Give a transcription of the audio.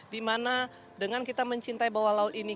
dimana dengan kita mencintai bawah laut ini